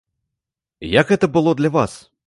Як гэта было для вас?